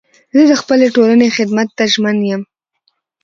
زه د خپلي ټولني خدمت ته ژمن یم.